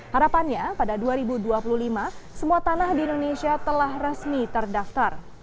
harapannya pada dua ribu dua puluh lima semua tanah di indonesia telah resmi terdaftar